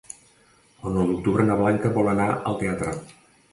El nou d'octubre na Blanca vol anar al teatre.